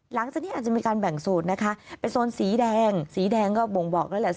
หลังจากนี้อาจจะมีการแบ่งโซนนะคะเป็นโซนสีแดงสีแดงก็บ่งบอกแล้วแหละ